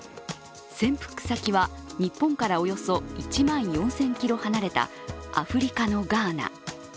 潜伏先は、日本からおよそ１万４０００ｋｍ離れたアフリカのガーナ。